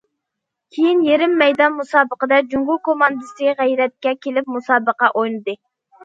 كېيىن يېرىم مەيدان مۇسابىقىدە جۇڭگو كوماندىسى غەيرەتكە كېلىپ مۇسابىقە ئوينىدى.